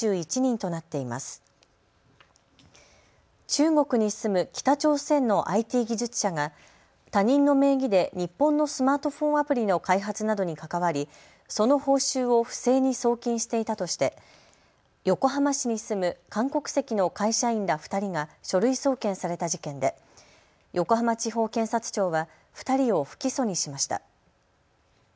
中国に住む北朝鮮のＩＴ技術者が他人の名義で日本のスマートフォンアプリの開発などに関わり、その報酬を不正に送金していたとして横浜市に住む韓国籍の会社員ら２人が書類送検された事件で横浜地方検察庁は２人を不起訴にしました。